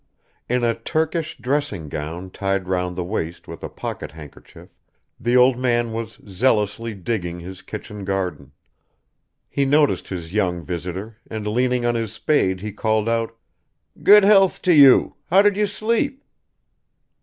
In a Turkish dressing gown tied round the waist with a pocket handkerchief, the old man was zealously digging his kitchen garden. He noticed his young visitor and leaning on his spade he called out, "Good health to you! How did you sleep?"